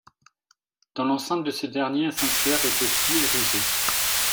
Dans l'enceinte de ce dernier, un sanctuaire est aussi érigé.